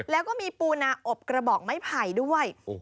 แล้วก็มีปูนาอบกระบอกไม้ไผ่ด้วย